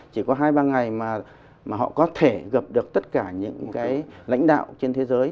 chỉ có hai ba ngày mà họ có thể gặp được tất cả những cái lãnh đạo trên thế giới